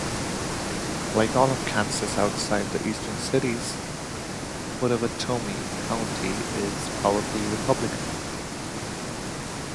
Like all of Kansas outside the eastern cities, Pottawatomie County is powerfully Republican.